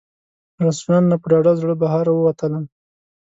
له رسټورانټ نه په ډاډه زړه بهر ووتلم.